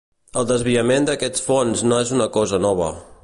El desviament d’aquests fons no és una cosa nova.